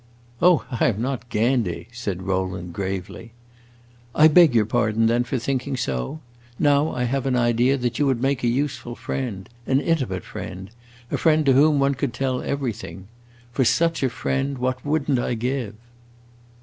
"Oh, I am not guinde," said Rowland, gravely. "I beg your pardon, then, for thinking so. Now I have an idea that you would make a useful friend an intimate friend a friend to whom one could tell everything. For such a friend, what would n't I give!"